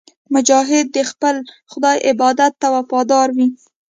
مجاهد د خپل خدای عبادت ته وفادار وي.